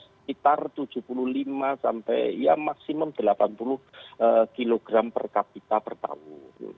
sekitar tujuh puluh lima sampai ya maksimum delapan puluh kg per kapita per tahun